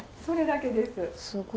それだけです。